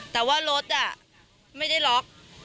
แต่ว่ารถไม่ได้ล็อก